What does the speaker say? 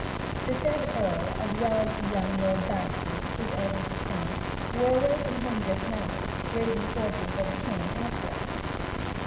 The said Earl, as well as the young Lord Baxby, his eldest son, were away from home just now, raising forces for the King elsewhere.